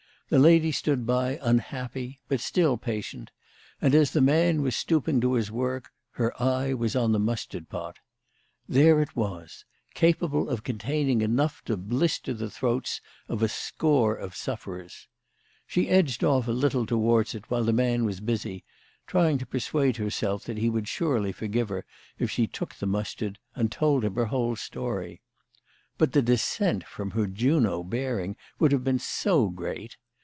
The lady stood by unhappy, but still patient, and, as the man was stooping to his work, her eye was on the mustard pot. There it was, capable of containing enough to blister the throats of a score of sufferers. She edged off a little towards it while the man was busy, trying to persuade herself that he would surely forgive her if she took the mustard, and told him her whole story. But the descent from her Juno bearing would have been so great